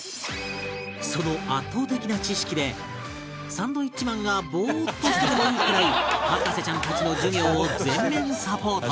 その圧倒的な知識でサンドウィッチマンがボーッとしててもいいくらい博士ちゃんたちの授業を全面サポート